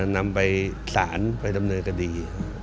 นำไปสารไปดำเนินคดี